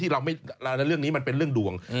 เรื่องนี้มันเป็นเรื่องดวง